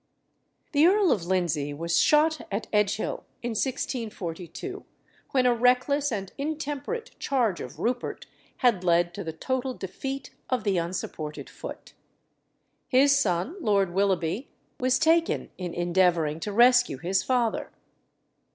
The Earl of Lindsey was shot at Edgehill in 1642, when a reckless and intemperate charge of Rupert had led to the total defeat of the unsupported foot. His son, Lord Willoughby, was taken in endeavouring to rescue his father.